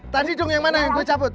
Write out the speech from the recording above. tanti dong yang mana yang gue cabut